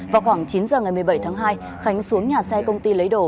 vào khoảng chín giờ ngày một mươi bảy tháng hai khánh xuống nhà xe công ty lấy đồ